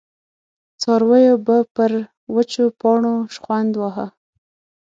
څارويو به پر وچو پاڼو شخوند واهه.